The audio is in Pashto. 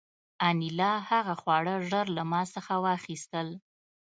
انیلا هغه خواړه ژر له ما څخه واخیستل